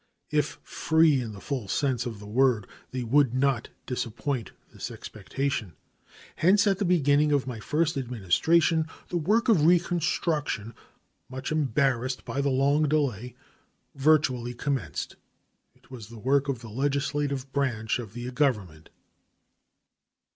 If free in the full sense of the word, they would not disappoint this expectation. Hence at the beginning of my first Administration the work of reconstruction, much embarrassed by the long delay, virtually commenced. It was the work of the legislative branch of the Government.